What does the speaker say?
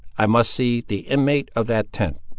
"I must see the inmate of that tent."